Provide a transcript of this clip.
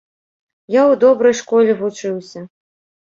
Я ў добрай школе вучыўся.